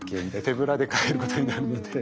手ぶらで帰ることになるので。